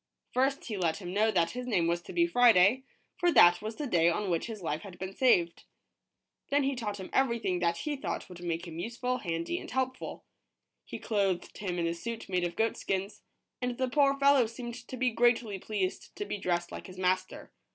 First he let him know that his name was to be Friday, for that was the day on which his life had been saved. Then he taught him 143 ROBINSON CRUS OIL. everything that he thought would make him useful, handy, and helpful. He clothed him in a suit made of goatskins, and the poor fellow seemed to be greatly pleased to be dressed like his master.